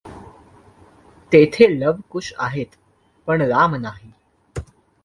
तेथे लव, कुश आहेत, पण राम नाही.